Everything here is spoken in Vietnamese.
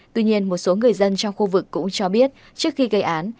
tuy nhiên một số người dân trong khu vực cũng cho biết trước khi gây án